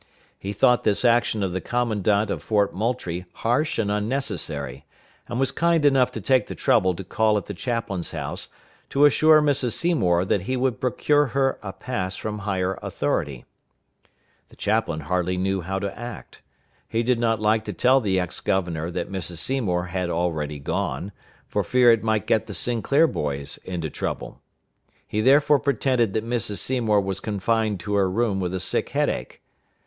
He thought this action of the commandant of Fort Moultrie harsh and unnecessary, and was kind enough to take the trouble to call at the chaplain's house to assure Mrs. Seymour that he would procure her a pass from higher authority. The chaplain hardly knew how to act. He did not like to tell the ex governor that Mrs. Seymour had already gone, for fear it might get the Sinclair boys into trouble. He therefore pretended that Mrs. Seymour was confined to her room with a sick headache.